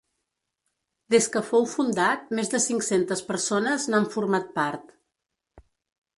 Des que fou fundat, més de cinc-centes persones n'han format part.